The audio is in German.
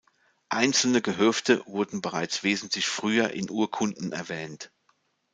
Einzelne Gehöfte wurden bereits wesentlich früher in Urkunden erwähnt.